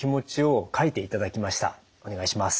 お願いします。